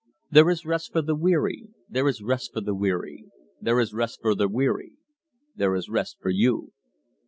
There is rest for the weary, There is rest for the weary, There is rest for the weary, There is rest for you!